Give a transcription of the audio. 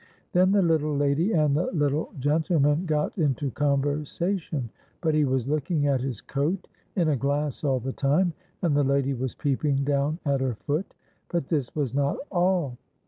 Then the little lady and the little gentleman got into conversation, but he was looking at his coat in a glass all the time, and the lady was peeping down at her foot. But this was not all.